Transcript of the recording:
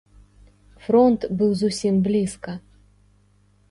Фронт быў зусім блізка.